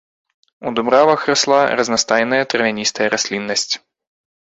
У дубравах расла разнастайная травяністая расліннасць.